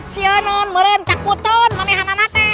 siunun merencak putun menihana nakeh